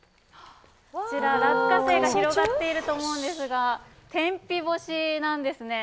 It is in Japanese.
落花生が広がっていると思うんですが天日干しなんですね。